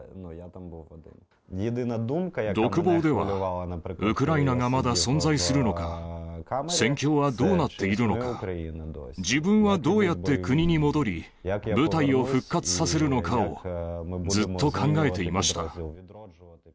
独房では、ウクライナがまだ存在するのか、戦況はどうなっているのか、自分はどうやって国に戻り、部隊を復活させるのかをずっと考えていました。